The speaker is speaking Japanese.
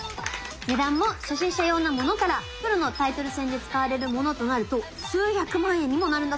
値段も初心者用のものからプロのタイトル戦で使われるものとなると数百万円にもなるんだそうです！